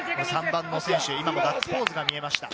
３番の選手、今もガッツポーズが見えました。